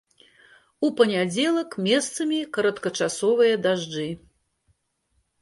У панядзелак месцамі кароткачасовыя дажджы.